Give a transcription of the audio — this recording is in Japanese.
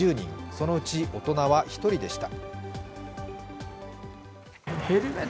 そのうち大人は１人でした。